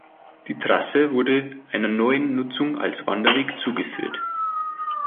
Die Trasse wurde einer neuen Nutzung als Wanderweg zugeführt.